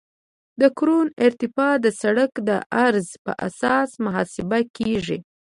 د کرون ارتفاع د سرک د عرض په اساس محاسبه کیږي